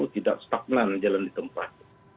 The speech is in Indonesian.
tidak stagnan jalan di tempat